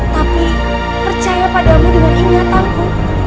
tapi percaya padamu dengan ingatanku